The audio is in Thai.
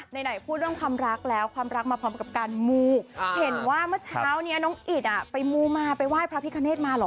ไหนพูดเรื่องความรักแล้วความรักมาพร้อมกับการมูเห็นว่าเมื่อเช้านี้น้องอิดไปมูมาไปไหว้พระพิคเนธมาเหรอ